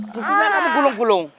berserah kamu gulung gulung